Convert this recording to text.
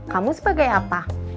kamu sebagai apa